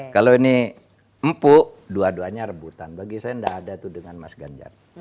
kalau ini empuk dua duanya rebutan bagi saya tidak ada tuh dengan mas ganjar